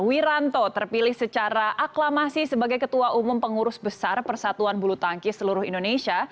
wiranto terpilih secara aklamasi sebagai ketua umum pengurus besar persatuan bulu tangkis seluruh indonesia